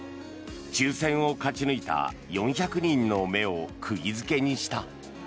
抽選を勝ち抜いた４００人の目を釘付けにした。